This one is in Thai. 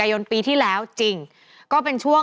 แฮปปี้เบิร์สเจทู